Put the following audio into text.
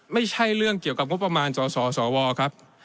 ไม่ใช่เรื่องเกี่ยวกับงบประมาณสสวครับ